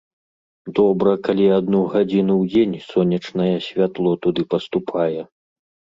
Добра, калі адну гадзіну ў дзень сонечнае святло туды паступае.